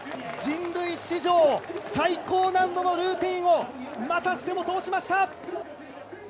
人類史上最高難度のルーティーンを、またしても通しました。